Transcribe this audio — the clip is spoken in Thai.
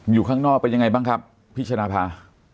อยู่ข้างนอกเป็นยังไงบ้างครับพี่ชนะภา